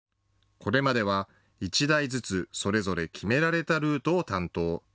これまでは１台ずつ、それぞれ決められたルートを担当。